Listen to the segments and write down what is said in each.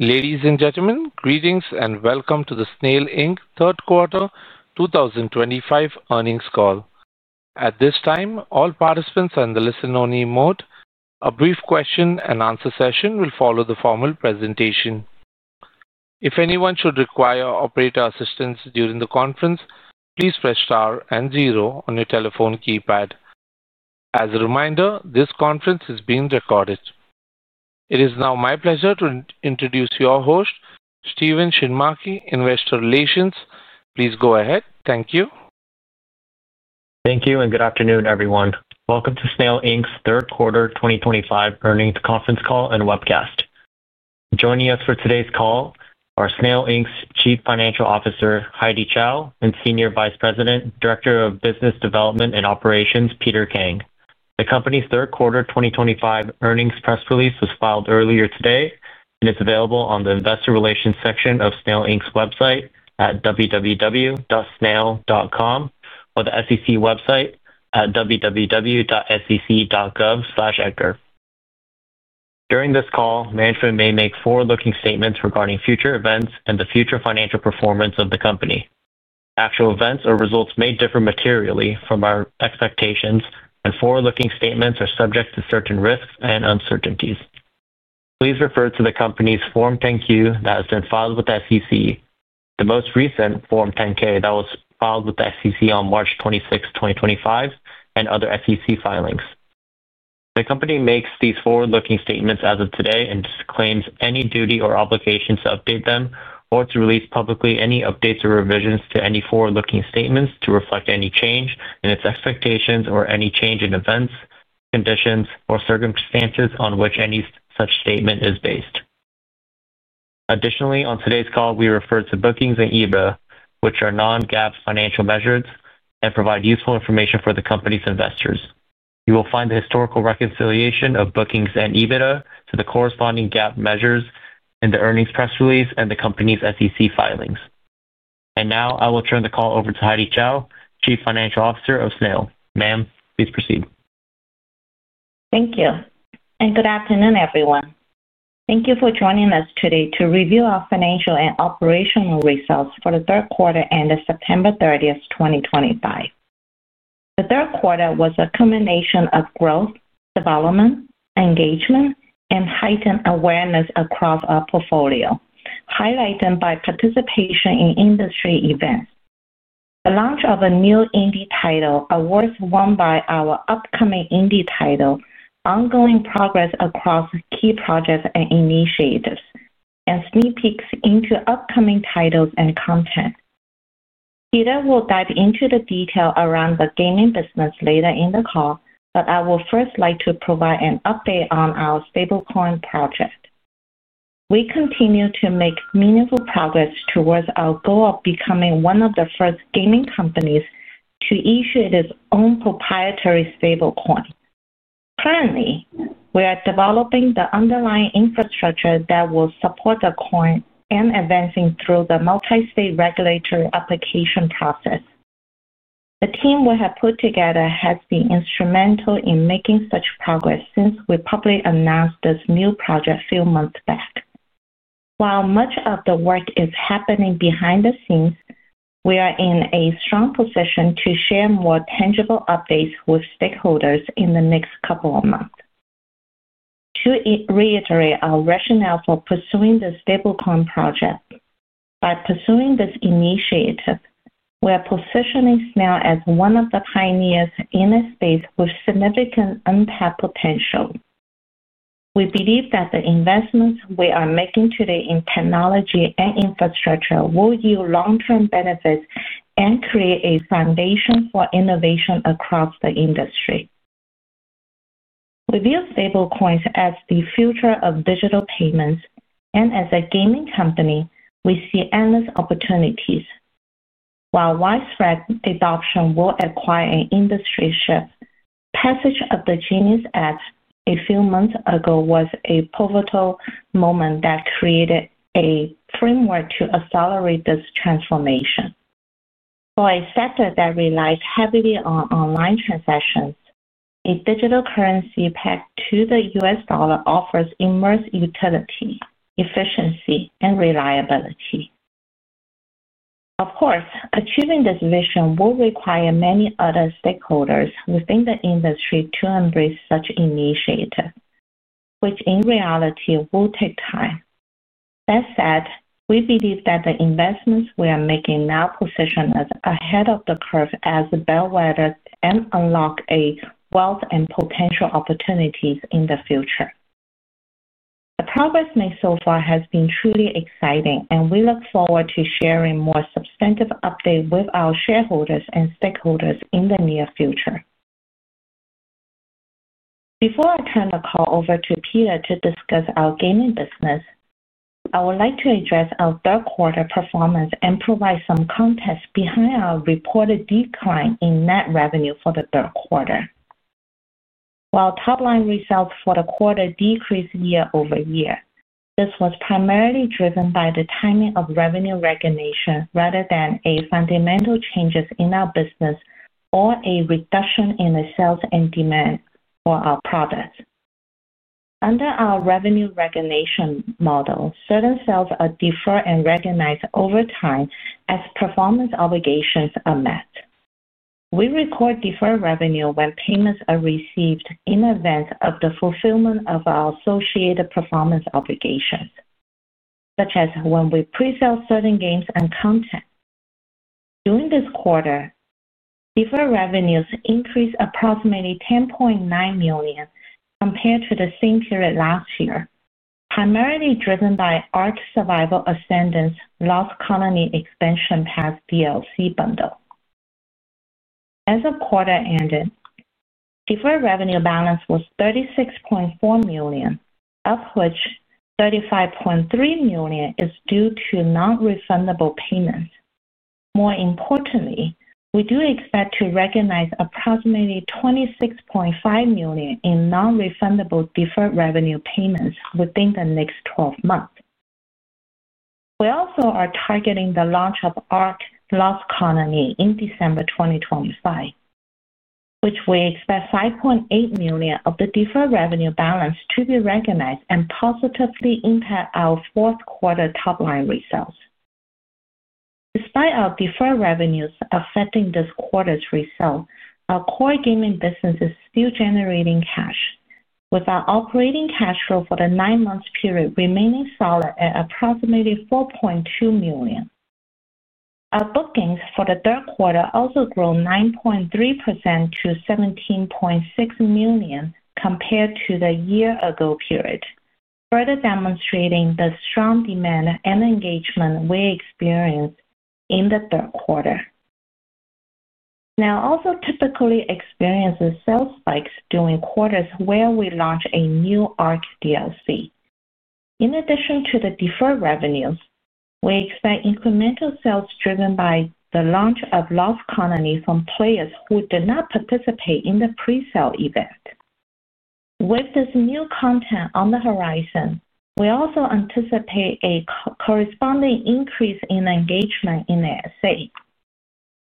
Ladies and gentlemen, greetings and welcome to the Snail Q3 2025 earnings call. At this time, all participants are in the listen-only mode. A brief question-and-answer session will follow the formal presentation. If anyone should require operator assistance during the conference, please press star and zero on your telephone keypad. As a reminder, this conference is being recorded. It is now my pleasure to introduce your host, Stephen Shinmachi, Investor Relations. Please go ahead. Thank you. Thank you, and good afternoon, everyone. Welcome to Snail's Q3 2025 earnings conference call and webcast. Joining us for today's call are Snail's Chief Financial Officer, Heidy Chow, and Senior Vice President, Director of Business Development and Operations, Peter Kang. The company's Q3 2025 earnings press release was filed earlier today and is available on the Investor Relations section of Snail's website at www.snail.com or the SEC website at www.sec.gov/echo. During this call, management may make forward-looking statements regarding future events and the future financial performance of the company. Actual events or results may differ materially from our expectations, and forward-looking statements are subject to certain risks and uncertainties. Please refer to the company's Form 10-Q that has been filed with the SEC, the most recent Form 10-K that was filed with the SEC on March 26, 2025, and other SEC filings. The company makes these forward-looking statements as of today and disclaims any duty or obligation to update them or to release publicly any updates or revisions to any forward-looking statements to reflect any change in its expectations or any change in events, conditions, or circumstances on which any such statement is based. Additionally, on today's call, we refer to bookings and EBITDA, which are non-GAAP financial measures and provide useful information for the company's investors. You will find the historical reconciliation of bookings and EBITDA to the corresponding GAAP measures in the earnings press release and the company's SEC filings. I will turn the call over to Heidy Chow, Chief Financial Officer of Snail. Ma'am, please proceed. Thank you. Good afternoon, everyone. Thank you for joining us today to review our financial and operational results for Q3 ended September 30, 2025. Q3 was a culmination of growth, development, engagement, and heightened awareness across our portfolio, highlighted by participation in industry events. The launch of a new indie title, awards won by our upcoming indie title, ongoing progress across key projects and initiatives, and sneaks into upcoming titles and content. Peter will dive into the detail around the gaming business later in the call, but I would first like to provide an update on our stablecoin project. We continue to make meaningful progress towards our goal of becoming one of the first gaming companies to issue its own proprietary stablecoin. Currently, we are developing the underlying infrastructure that will support the coin and advancing through the multi-state regulatory application process. The team we have put together has been instrumental in making such progress since we publicly announced this new project a few months back. While much of the work is happening behind the scenes, we are in a strong position to share more tangible updates with stakeholders in the next couple of months. To reiterate our rationale for pursuing the stablecoin project, by pursuing this initiative, we are positioning Snail as one of the pioneers in a space with significant untapped potential. We believe that the investments we are making today in technology and infrastructure will yield long-term benefits and create a foundation for innovation across the industry. We view stablecoins as the future of digital payments, and as a gaming company, we see endless opportunities. While widespread adoption will require an industry shift, the passage of the Genius Act a few months ago was a pivotal moment that created a framework to accelerate this transformation. For a sector that relies heavily on online transactions, a digital currency pegged to the US dollar offers immense utility, efficiency, and reliability. Of course, achieving this vision will require many other stakeholders within the industry to embrace such initiatives, which in reality will take time. That said, we believe that the investments we are making now position us ahead of the curve as a bellwether and unlock a wealth of potential opportunities in the future. The progress made so far has been truly exciting, and we look forward to sharing more substantive updates with our shareholders and stakeholders in the near future. Before I turn the call over to Peter to discuss our gaming business, I would like to address our Q3 performance and provide some context behind our reported decline in net revenue for the Q3. While top-line results for the Q4 decreased year over year, this was primarily driven by the timing of revenue recognition rather than fundamental changes in our business or a reduction in the sales and demand for our products. Under our revenue recognition model, certain sales are deferred and recognized over time as performance obligations are met. We record deferred revenue when payments are received in advance of the fulfillment of our associated performance obligations, such as when we pre-sell certain games and content. During this quarter, deferred revenues increased approximately $10.9 million compared to the same period last year, primarily driven by ARK: Survival Ascended's Lost Colony Expansion Pass DLC bundle. As the quarter ended, deferred revenue balance was $36.4 million, of which $35.3 million is due to non-refundable payments. More importantly, we do expect to recognize approximately $26.5 million in non-refundable deferred revenue payments within the next 12 months. We also are targeting the launch of ARK: Lost Colony in December 2025, which we expect $5.8 million of the deferred revenue balance to be recognized and positively impact our Q4 top-line results. Despite our deferred revenues affecting this quarter's result, our core gaming business is still generating cash, with our operating cash flow for the nine-month period remaining solid at approximately $4.2 million. Our bookings for the Q3 also grew 9.3% to $17.6 million compared to the year-ago period, further demonstrating the strong demand and engagement we experienced in the Q3. Snail also typically experiences sales spikes during quarters where we launch a new ARK DLC. In addition to the deferred revenues, we expect incremental sales driven by the launch of Lost Colony from players who did not participate in the pre-sale event. With this new content on the horizon, we also anticipate a corresponding increase in engagement in the SA.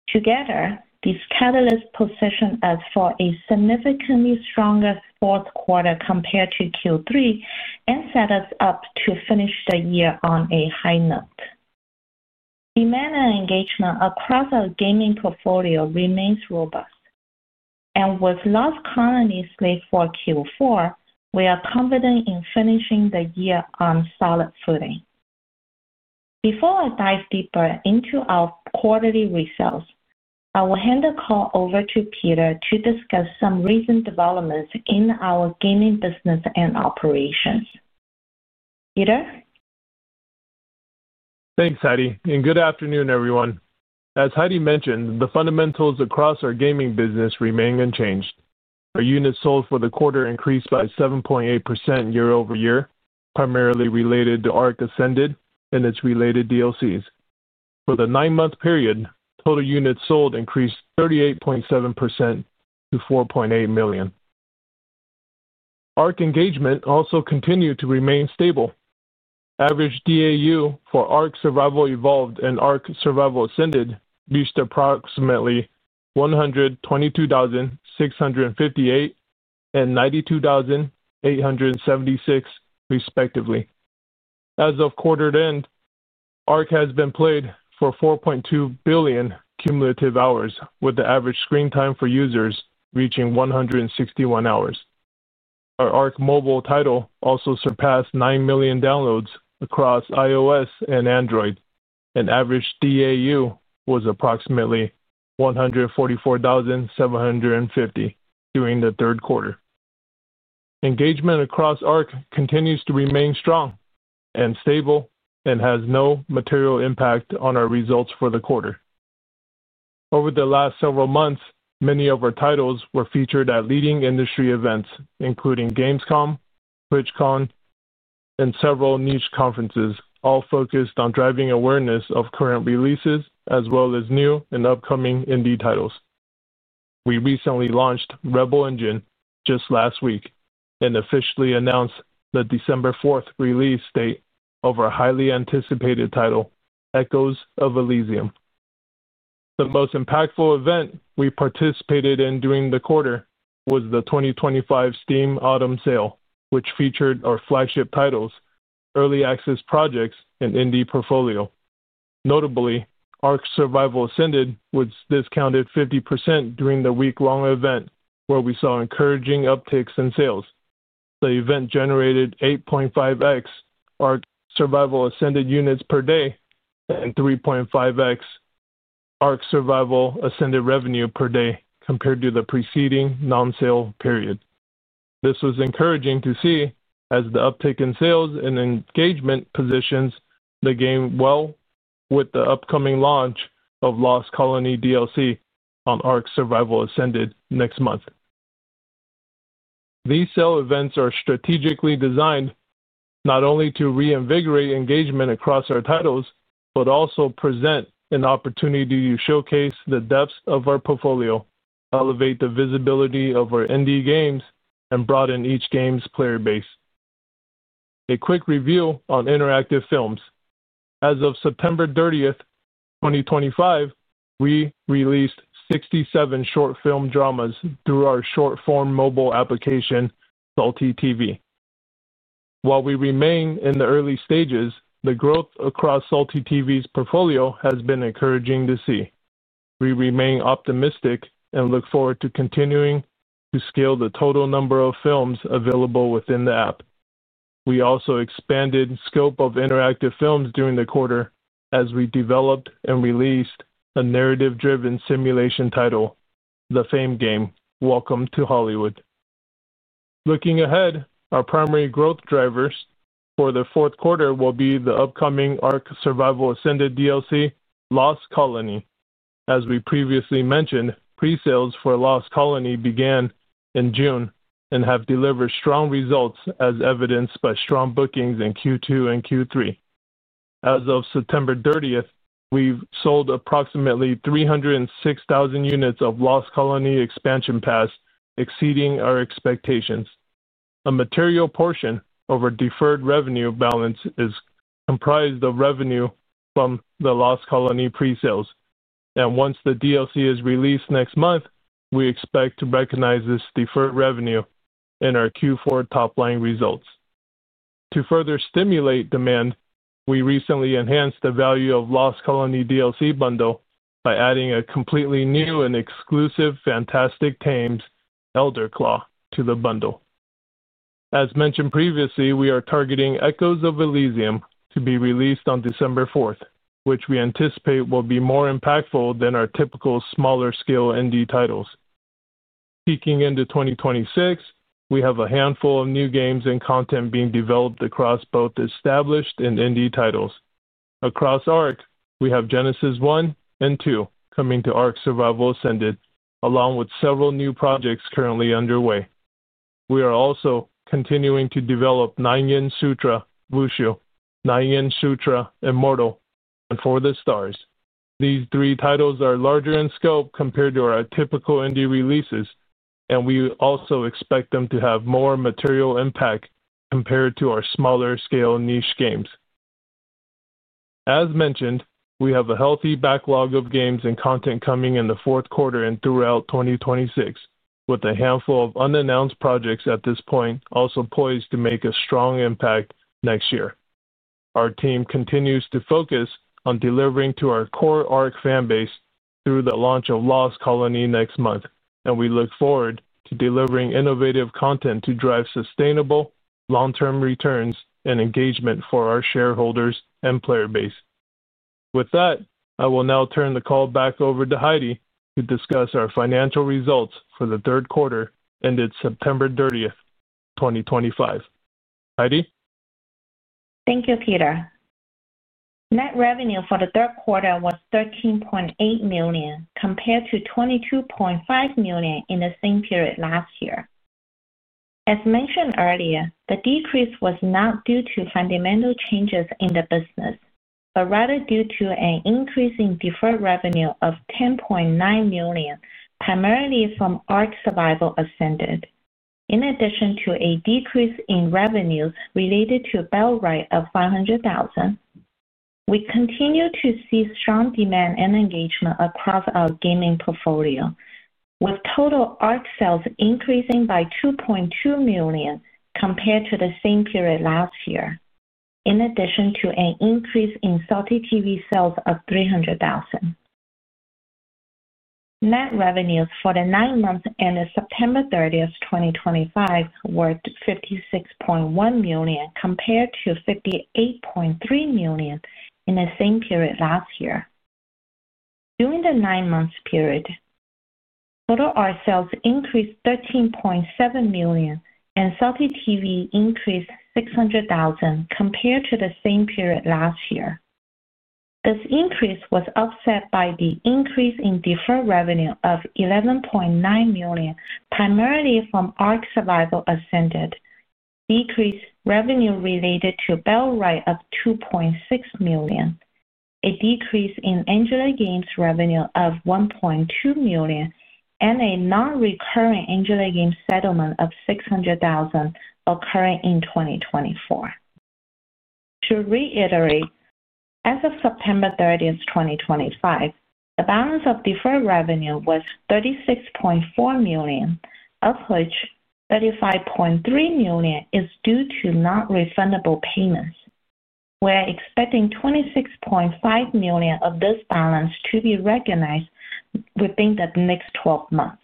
Together, these catalysts position us for a significantly stronger Q4 compared to Q3 and set us up to finish the year on a high note. Demand and engagement across our gaming portfolio remain robust, and with Lost Colony slated for Q4, we are confident in finishing the year on solid footing. Before I dive deeper into our quarterly results, I will hand the call over to Peter to discuss some recent developments in our gaming business and operations. Peter? Thanks, Heidy. Good afternoon, everyone. As Heidy mentioned, the fundamentals across our gaming business remain unchanged. Our units sold for the quarter increased by 7.8% year over year, primarily related to ARK: Survival Ascended and its related DLCs. For the nine-month period, total units sold increased 38.7% to $4.8 million. ARK engagement also continued to remain stable. Average DAU for ARK: Survival Evolved and ARK: Survival Ascended reached approximately 122,658 and 92,876, respectively. As of quarter end, ARK has been played for 4.2 billion cumulative hours, with the average screen time for users reaching 161 hours. Our ARK: Mobile title also surpassed 9 million downloads across iOS and Android, and average DAU was approximately 144,750 during Q3. Engagement across ARK continues to remain strong and stable and has no material impact on our results for the quarter. Over the last several months, many of our titles were featured at leading industry events, including Gamescom, TwitchCon, and several niche conferences, all focused on driving awareness of current releases as well as new and upcoming indie titles. We recently launched Rebel Engine just last week and officially announced the December 4 release date of our highly anticipated title, Echoes of Elysium. The most impactful event we participated in during the quarter was the 2025 Steam Autumn Sale, which featured our flagship titles, early access projects, and indie portfolio. Notably, ARK: Survival Ascended was discounted 50% during the week-long event, where we saw encouraging upticks in sales. The event generated 8.5x ARK: Survival Ascended units per day and 3.5x ARK: Survival Ascended revenue per day compared to the preceding non-sale period. This was encouraging to see as the uptick in sales and engagement positions the game well with the upcoming launch of Lost Colony DLC on ARK: Survival Ascended next month. These sale events are strategically designed not only to reinvigorate engagement across our titles but also present an opportunity to showcase the depths of our portfolio, elevate the visibility of our indie games, and broaden each game's player base. A quick review on interactive films: As of September 30, 2025, we released 67 short-film dramas through our short-form mobile application, Salty TV. While we remain in the early stages, the growth across Salty TV's portfolio has been encouraging to see. We remain optimistic and look forward to continuing to scale the total number of films available within the app. We also expanded the scope of interactive films during the quarter as we developed and released a narrative-driven simulation title, The Fame Game: Welcome to Hollywood. Looking ahead, our primary growth drivers for Q4 will be the upcoming ARK: Survival Ascended DLC, Lost Colony. As we previously mentioned, pre-sales for Lost Colony began in June and have delivered strong results, as evidenced by strong bookings in Q2 and Q3. As of September 30, we've sold approximately 306,000 units of Lost Colony Expansion Pass, exceeding our expectations. A material portion of our deferred revenue balance is comprised of revenue from the Lost Colony pre-sales, and once the DLC is released next month, we expect to recognize this deferred revenue in our Q4 top-line results. To further stimulate demand, we recently enhanced the value of Lost Colony DLC bundle by adding a completely new and exclusive Fantastic Tames: Elderclaw to the bundle. As mentioned previously, we are targeting Echoes of Elysium to be released on December 4, which we anticipate will be more impactful than our typical smaller-scale indie titles. Peaking into 2026, we have a handful of new games and content being developed across both established and indie titles. Across ARK, we have Genesis 1 and 2 coming to ARK: Survival Ascended, along with several new projects currently underway. We are also continuing to develop Nian Yan Sutra: Wushu, Nian Yan Sutra: Immortal, and For the Stars. These three titles are larger in scope compared to our typical indie releases, and we also expect them to have more material impact compared to our smaller-scale niche games. As mentioned, we have a healthy backlog of games and content coming in the Q4 and throughout 2026, with a handful of unannounced projects at this point also poised to make a strong impact next year. Our team continues to focus on delivering to our core ARK fanbase through the launch of ARK: Lost Colony next month, and we look forward to delivering innovative content to drive sustainable, long-term returns and engagement for our shareholders and player base. With that, I will now turn the call back over to Heidy to discuss our financial results for the Q3 ended September 30, 2025. Heidy? Thank you, Peter. Net revenue for the Q4 was $13.8 million compared to $22.5 million in the same period last year. As mentioned earlier, the decrease was not due to fundamental changes in the business, but rather due to an increase in deferred revenue of $10.9 million, primarily from ARK: Survival Ascended. In addition to a decrease in revenues related to Bellwether of $500,000, we continue to see strong demand and engagement across our gaming portfolio, with total ARK sales increasing by $2.2 million compared to the same period last year, in addition to an increase in Salty TV sales of $300,000. Net revenues for the nine months ended September 30, 2025, were $56.1 million compared to $58.3 million in the same period last year. During the nine-month period, total ARK sales increased $13.7 million, and Salty TV increased $600,000 compared to the same period last year. This increase was offset by the increase in deferred revenue of $11.9 million, primarily from ARK: Survival Ascended, a decreased revenue related to Bellwether of $2.6 million, a decrease in Angela Games revenue of $1.2 million, and a non-recurring Angela Games settlement of $600,000 occurring in 2024. To reiterate, as of September 30, 2025, the balance of deferred revenue was $36.4 million, of which $35.3 million is due to non-refundable payments. We are expecting $26.5 million of this balance to be recognized within the next 12 months.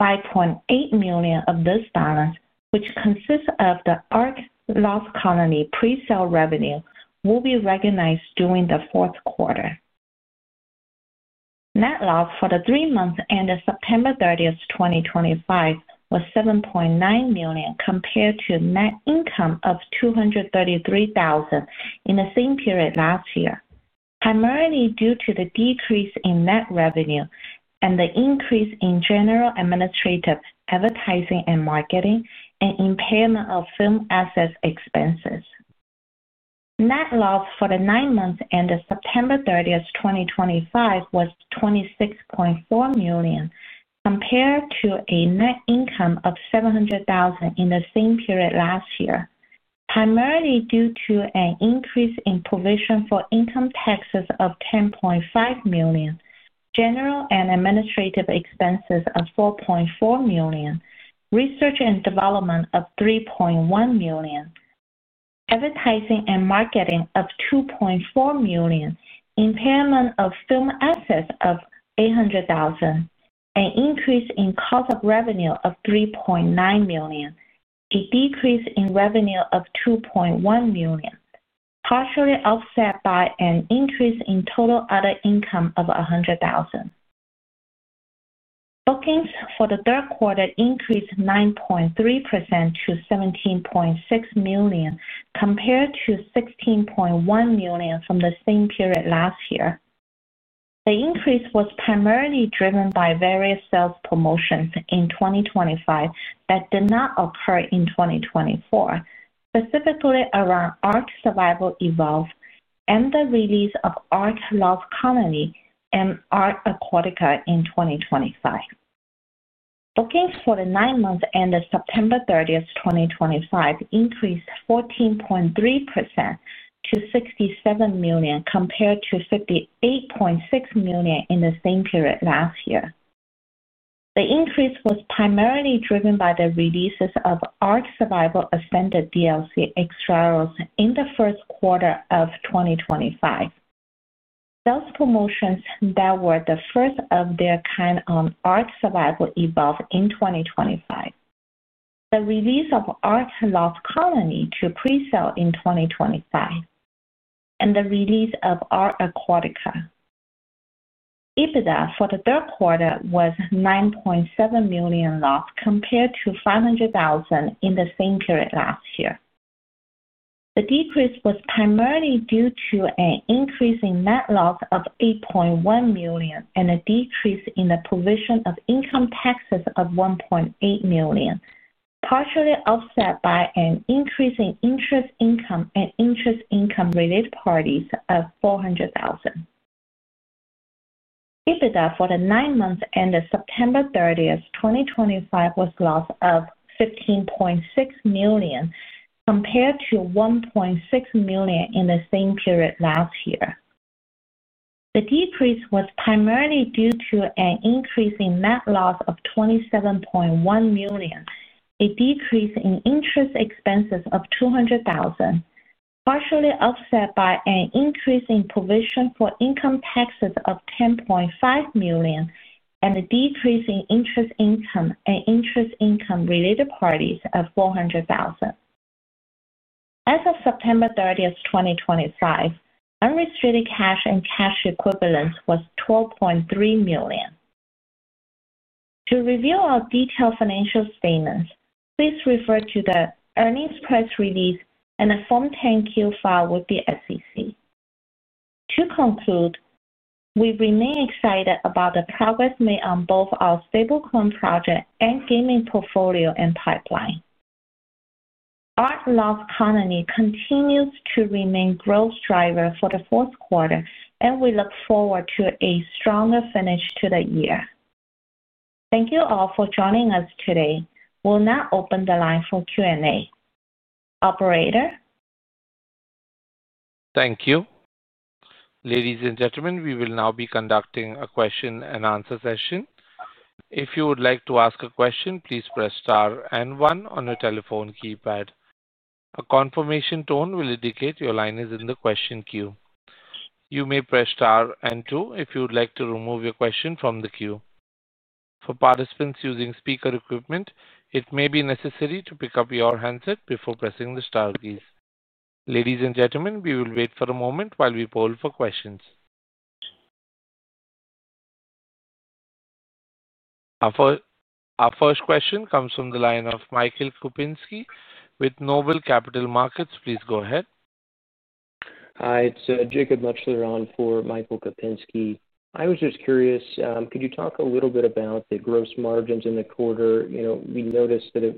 $5.8 million of this balance, which consists of the ARK: Lost Colony pre-sale revenue, will be recognized during the Q4. Net loss for the three months ended September 30, 2025, was $7.9 million compared to net income of $233,000 in the same period last year, primarily due to the decrease in net revenue and the increase in general administrative, advertising and marketing, and impairment of film assets expenses. Net loss for the nine months ended September 30, 2025, was $26.4 million compared to a net income of $700,000 in the same period last year, primarily due to an increase in provision for income taxes of $10.5 million, general and administrative expenses of $4.4 million, research and development of $3.1 million, advertising and marketing of $2.4 million, impairment of film assets of $800,000, an increase in cost of revenue of $3.9 million, a decrease in revenue of $2.1 million, partially offset by an increase in total other income of $100,000. Bookings for the Q3 increased 9.3% to $17.6 million compared to $16.1 million from the same period last year. The increase was primarily driven by various sales promotions in 2025 that did not occur in 2024, specifically around ARK: Survival Evolved and the release of ARK: Lost Colony and ARK: Aquatica in 2025. Bookings for the nine months ended September 30, 2025, increased 14.3% to $67 million compared to $58.6 million in the same period last year. The increase was primarily driven by the releases of ARK: Survival Ascended DLC extra rolls in the Q4 of 2025, sales promotions that were the first of their kind on ARK: Survival Evolved in 2025, the release of ARK: Lost Colony to pre-sale in 2025, and the release of ARK: Aquatica. EBITDA for the Q4 was $9.7 million loss compared to $500,000 in the same period last year. The decrease was primarily due to an increase in net loss of $8.1 million and a decrease in the provision of income taxes of $1.8 million, partially offset by an increase in interest income and interest income related parties of $400,000. EBITDA for the nine months ended September 30, 2025, was loss of $15.6 million compared to $1.6 million in the same period last year. The decrease was primarily due to an increase in net loss of $27.1 million, a decrease in interest expenses of $200,000, partially offset by an increase in provision for income taxes of $10.5 million, and a decrease in interest income and interest income related parties of $400,000. As of September 30, 2025, unrestricted cash and cash equivalents was $12.3 million. To review our detailed financial statements, please refer to the earnings press release and the Form 10Q file with the SEC. To conclude, we remain excited about the progress made on both our stablecoin project and gaming portfolio and pipeline. ARK: Lost Colony continues to remain growth driver for the Q4, and we look forward to a stronger finish to the year. Thank you all for joining us today. We'll now open the line for Q&A. Operator? Thank you. Ladies and gentlemen, we will now be conducting a question-and-answer session. If you would like to ask a question, please press star and one on your telephone keypad. A confirmation tone will indicate your line is in the question queue. You may press star and two if you would like to remove your question from the queue. For participants using speaker equipment, it may be necessary to pick up your handset before pressing the Star keys. Ladies and gentlemen, we will wait for a moment while we poll for questions. Our first question comes from the line of Michael Kupinski with Noble Capital Markets. Please go ahead. Hi, it's Jacob Muchler on for Michael Kupinski. I was just curious, could you talk a little bit about the gross margins in the quarter? You know, we noticed that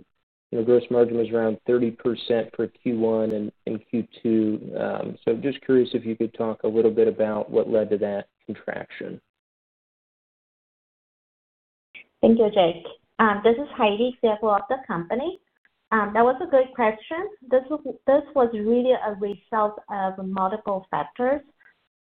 the gross margin was around 30% for Q1 and Q2. So just curious if you could talk a little bit about what led to that contraction. Thank you, Jake. This is Heidy, CFO of the company. That was a good question. This was really a result of multiple factors.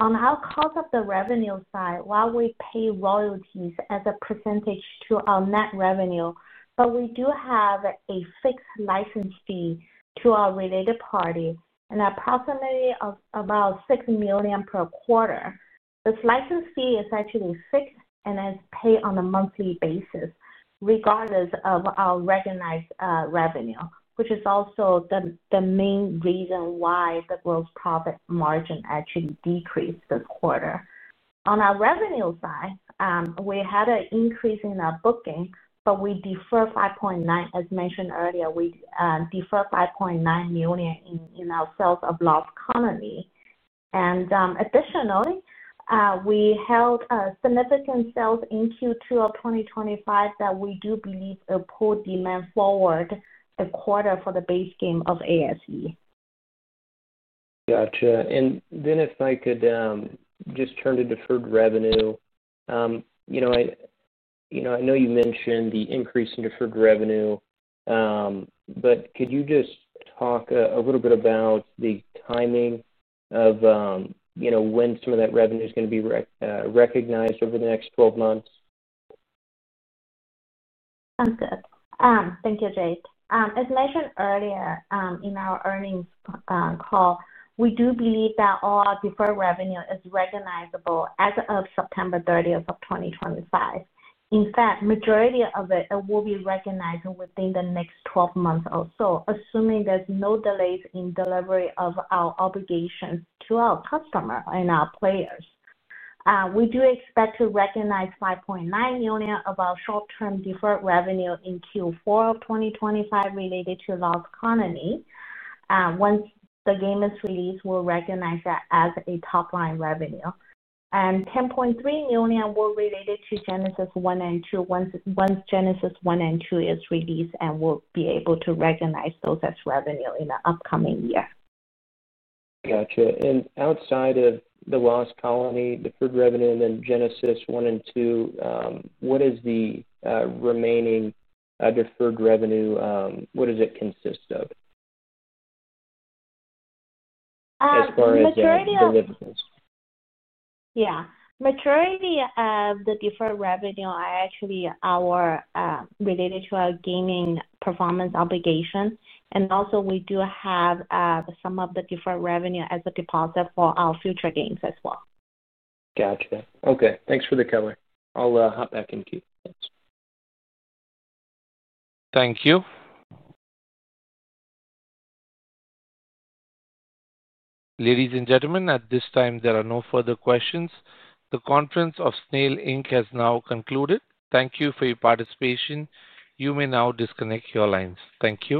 On our cost of the revenue side, while we pay royalties as a percentage to our net revenue, we do have a fixed license fee to our related parties, and approximately about $6 million per quarter. This license fee is actually fixed and is paid on a monthly basis, regardless of our recognized revenue, which is also the main reason why the gross profit margin actually decreased this quarter. On our revenue side, we had an increase in our booking, but we deferred $5.9 million. As mentioned earlier, we deferred $5.9 million in our sales of Lost Colony. Additionally, we held a significant sales in Q2 of 2025 that we do believe will pull demand forward the quarter for the base game of ASE. Gotcha. If I could just turn to deferred revenue. You know, I know you mentioned the increase in deferred revenue, but could you just talk a little bit about the timing of when some of that revenue is going to be recognized over the next 12 months? Sounds good. Thank you, Jake. As mentioned earlier in our earnings call, we do believe that all our deferred revenue is recognizable as of September 30, 2025. In fact, the majority of it will be recognized within the next 12 months or so, assuming there's no delays in delivery of our obligations to our customers and our players. We do expect to recognize $5.9 million of our short-term deferred revenue in Q4 of 2025 related to Lost Colony. Once the game is released, we'll recognize that as a top-line revenue. $10.3 million will relate to Genesis 1 and 2 once Genesis 1 and 2 is released and we'll be able to recognize those as revenue in the upcoming year. Gotcha. Outside of the Lost Colony, deferred revenue, and then Genesis 1 and 2, what is the remaining deferred revenue? What does it consist of as far as the... Yeah. Majority of the deferred revenue are actually related to our gaming performance obligations. We do have some of the deferred revenue as a deposit for our future games as well. Gotcha. Okay. Thanks for the cover. I'll hop back in here. Thanks. Thank you. Ladies and gentlemen, at this time, there are no further questions. The conference of Snail has now concluded. Thank you for your participation. You may now disconnect your lines. Thank you.